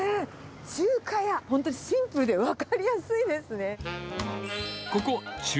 中華や、本当、シンプルで分かりやすいですね。